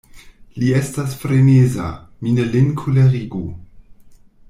Li estas freneza; mi ne lin kolerigu.